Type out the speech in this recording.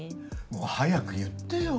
もう早く言ってよ。